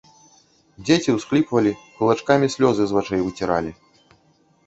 Дзеці усхліпвалі, кулачкамі слёзы з вачэй выціралі.